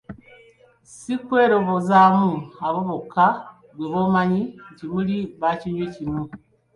Si kwerobozaamu abo bokka ggwe b'omanyi nti muli bakinywi kimu.